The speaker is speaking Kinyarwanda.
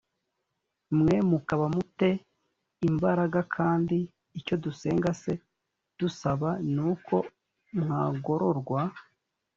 mwe mukaba mu te imbaraga kandi icyo dusenga c dusaba ni uko mwagororwa